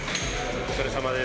お疲れさまです。